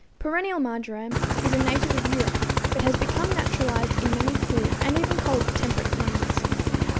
Perennial marjoram is a native of Europe, but has become naturalized in many cool and even cold temperate climates.